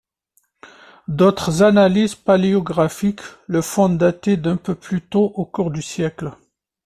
D'autres analyses paléographiques le font dater d'un peu plus tôt au cours du siècle.